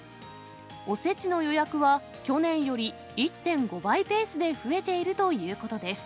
おせちの予約は、去年より１．５倍ペースで増えているということです。